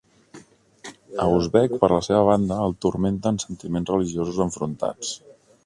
A Usbek, per la seva banda, el turmenten sentiments religiosos enfrontats.